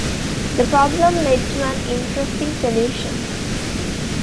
The problem led to an interesting solution.